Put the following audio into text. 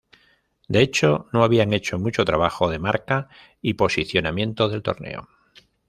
De hecho, no habían hecho mucho trabajo de marca y posicionamiento del torneo.